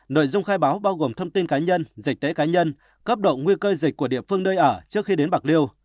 nội dung khai báo bao gồm thông tin cá nhân dịch tễ cá nhân cấp độ nguy cơ dịch của địa phương nơi ở trước khi đến bạc liêu